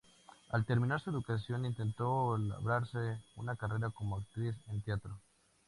Al terminar su educación intentó labrarse una carrera como actriz en el teatro.